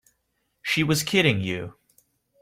She was kidding you.